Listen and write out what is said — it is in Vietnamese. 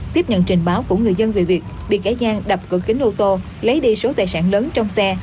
tiếp nhận trình báo của người dân về việc bị kẻ gian đập cửa kính ô tô lấy đi số tài sản lớn trong xe